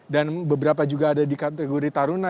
dan beberapa juga ada di kategori taruna